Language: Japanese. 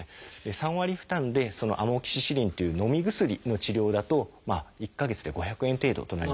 ３割負担でアモキシシリンというのみ薬の治療だと１か月で５００円程度となります。